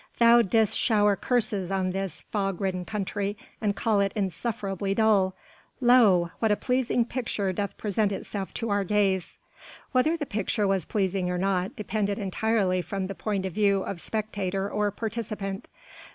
Thou didst shower curses on this fog ridden country, and call it insufferably dull. Lo! what a pleasing picture doth present itself to our gaze." Whether the picture was pleasing or not depended entirely from the point of view of spectator or participant.